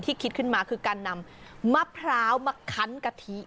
คิดขึ้นมาคือการนำมะพร้าวมาคันกะทิ